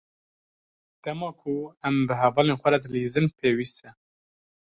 Dema ku em bi hevalên xwe re dilîzin, pêwîst e.